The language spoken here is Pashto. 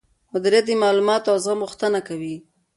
مديريت د معلوماتو او زغم غوښتنه کوي.